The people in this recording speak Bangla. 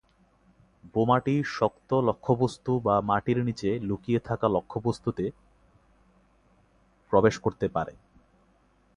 বোমাটি শক্ত লক্ষ্যবস্তু বা মাটির নিচে লুকিয়ে থাকা লক্ষ্যবস্তুে প্রবেশ করতে পারে।